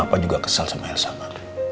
papa juga kesel sama elsa ma